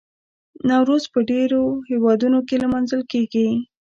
نوروز په ډیرو هیوادونو کې لمانځل کیږي.